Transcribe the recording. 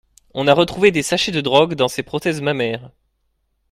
On a retrouvé des sachets de drogue dans ses prothèses mammaires.